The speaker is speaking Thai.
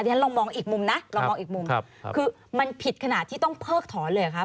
เดี๋ยวเรามองอีกมุมนะคือมันผิดขนาดที่ต้องเพิกถอนเลยหรือคะ